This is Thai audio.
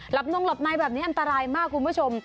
บนงหลับในแบบนี้อันตรายมากคุณผู้ชม